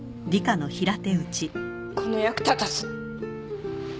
・この役立たず。